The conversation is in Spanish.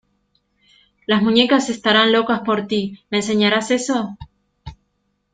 Las muñecas estarán locas por ti. ¿ Me enseñarás eso?